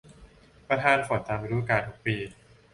ประทานฝนตามฤดูกาลทุกปี